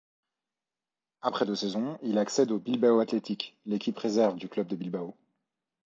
Après deux saisons il accède au Bilbao Athletic, l'équipe réserve du club de Bilbao.